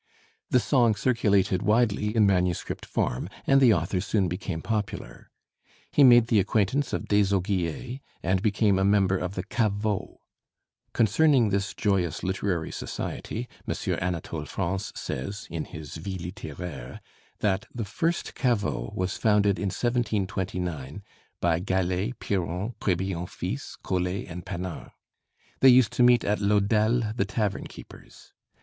The song circulated widely in manuscript form, and the author soon became popular. He made the acquaintance of Désaugiers and became a member of the Caveau. Concerning this joyous literary society M. Anatole France says, in his 'Vie Littéraire,' that the first Caveau was founded in 1729 by Gallet, Piron, Crébillon fils, Collé, and Panard. They used to meet at Laudelle the tavern keeper's.